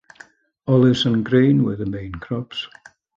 Olives and grain were the main crops.